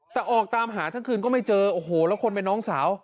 แต่ออกตามหาทั้งคืนก็ไม่เจอโอ้โหแล้วคนเป็นน้องสาว